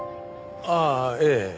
ああええ。